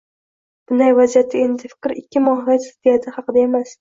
Bunday vaziyatda, endi fikr ikki mohiyat ziddiyati haqida emas